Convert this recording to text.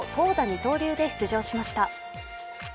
二刀流で出場しました。